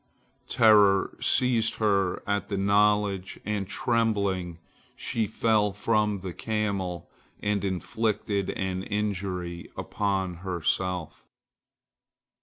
Terror seized her at the knowledge, and, trembling, she fell from the camel and inflicted an injury upon herself.